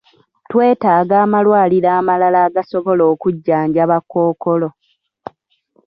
Twetaaga amalwaliro amalala agasobola okujjanjaba kkookolo.